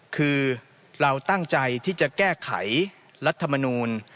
คือเราตั้งใจที่จะแก้ไขรัฐมนูล